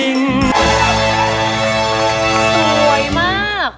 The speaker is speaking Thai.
โอ๊ยมาก